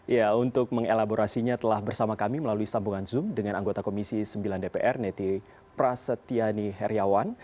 ya untuk mengelaborasinya telah bersama kami melalui sambungan zoom dengan anggota komisi sembilan dpr neti prasetyani heriawan